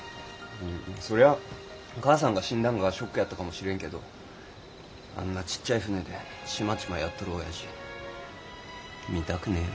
そりゃ母さんが死んだのがショックやったかもしれんけどあんなちっちゃい船でちまちまやってるおやじ見たくねえよ。